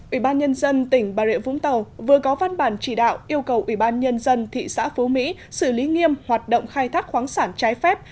ủy ban nhân dân tỉnh bà rịa vũng tàu vừa có văn bản chỉ đạo yêu cầu ủy ban nhân dân thị xã phú mỹ xử lý nghiêm hoạt động khai thác khoáng sản trái phép